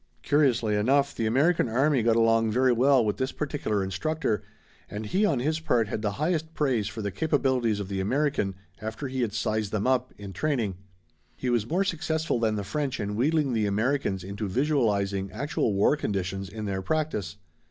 Curiously enough the American army got along very well with this particular instructor and he on his part had the highest praise for the capabilities of the American after he had sized them up in training. He was more successful than the French in wheedling the Americans into visualizing actual war conditions in their practice.